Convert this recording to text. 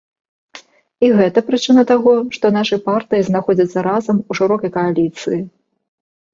І гэта прычына таго, што нашы партыі знаходзяцца разам у шырокай кааліцыі.